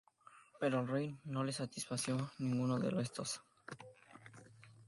Pero al rey no le satisfizo ninguno de estos.